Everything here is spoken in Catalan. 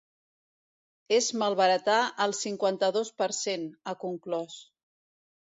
És malbaratar el cinquanta-dos per cent, ha conclòs.